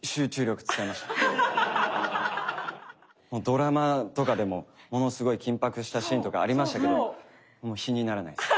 ドラマとかでもものすごい緊迫したシーンとかありましたけど比にならないです。